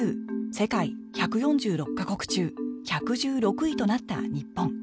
世界１４６カ国中１１６位となった日本